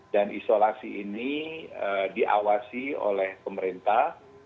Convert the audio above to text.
dan isolasi ini diawasi oleh pemerintah